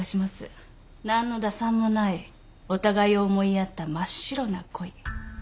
何の打算もないお互いを思い合った真っ白な恋。